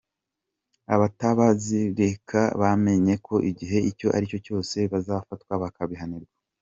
Abatazabireka bamenye ko igihe icyo ari cyo cyose bazafatwa bakabihanirwa.